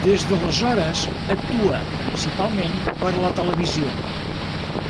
Des d’aleshores actua principalment per a la televisió.